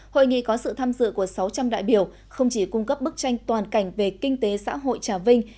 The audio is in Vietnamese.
hội nghị có sự tham dự của sáu trăm linh đại biểu không chỉ cung cấp bức tranh toàn cảnh về kinh tế xã hội trà vinh